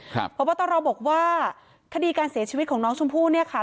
ครับเพราะว่าตอนเราบอกว่าคดีการเสียชีวิตของน้องชมพู่เนี่ยค่ะ